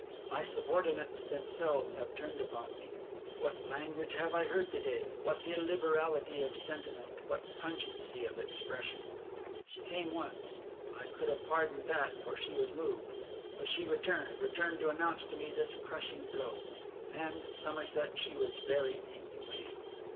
My subordinates themselves have turned upon me. What language have I heard to day, what illiberality of sentiment, what pungency of expression! She came once; I could have pardoned that, for she was moved; but she returned, returned to announce to me this crushing blow; and, Somerset, she was very inhumane.